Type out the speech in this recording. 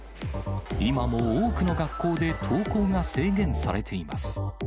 今も多くの学校で登校が制限されています。